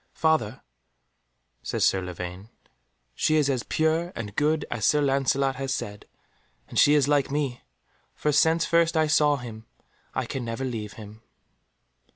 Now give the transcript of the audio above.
"Father," said Sir Lavaine, "she is as pure and good as Sir Lancelot has said, and she is like me, for since first I saw him I can never leave him."